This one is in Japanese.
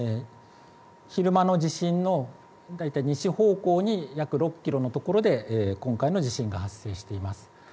昼間の地震の西方向に約６キロの所で今回の地震が発生しています。